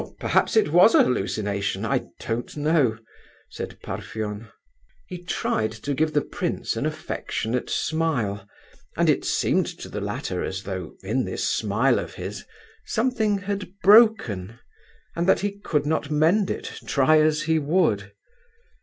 "Well, perhaps it was a hallucination, I don't know," said Parfen. He tried to give the prince an affectionate smile, and it seemed to the latter as though in this smile of his something had broken, and that he could not mend it, try as he would.